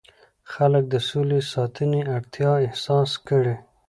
خلک د سولې ساتنې اړتیا احساس کړي.